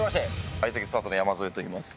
相席スタートの山添といいます。